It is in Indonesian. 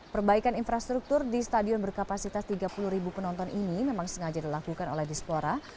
perbaikan infrastruktur di stadion berkapasitas tiga puluh ribu penonton ini memang sengaja dilakukan oleh dispora